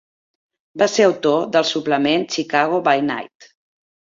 Va ser autor del suplement "Chicago by Night".